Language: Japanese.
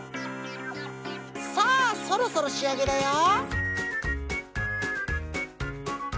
さあそろそろしあげだよ。